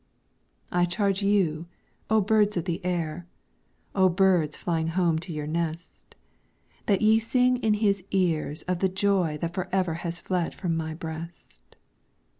I charge you, O birds of the Air, O birds flying home to your nest, That ye sing in his ears of the joy that for ever has fled from my breast.